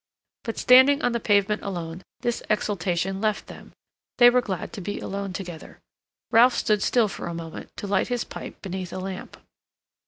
But standing on the pavement alone, this exaltation left them; they were glad to be alone together. Ralph stood still for a moment to light his pipe beneath a lamp.